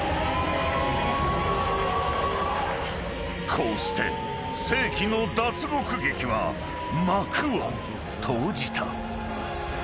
［こうして世紀の脱獄劇は幕を閉じた］